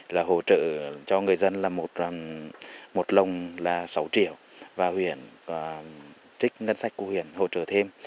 là hỗ trợ cho người dân là một lồng là sáu triệu và huyện trích ngân sách của huyện hỗ trợ thêm